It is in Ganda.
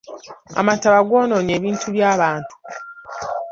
Amataba goonoonye ebintu by'abantu.